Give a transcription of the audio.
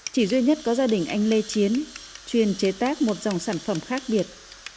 chỉ duy nhất có gia đình anh lê chiến chuyên chế tác một dòng sản phẩm khác biệt